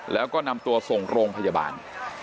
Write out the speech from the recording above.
แล้วก็นำตัวส่งโรงพยาบาล